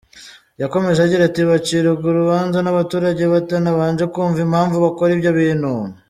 Yakomeje agira ati “Bacirwa urubanza n’abaturage batanabanje kumva impamvu bakora ibyo bintu.